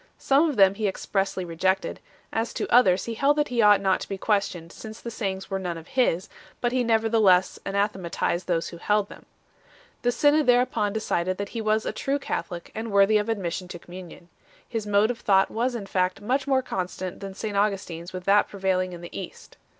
Some of them he expressly re jected; as to others, he held that he ought not to be questioned, since the sayings were none of his; but he nevertheless anathematized those who held them. The synod thereupon decided that he was a true Catholic, and worthy of admission to communion 3 . His mode of thought was in fact much more consonant than St Augustin s with that prevailing in the East.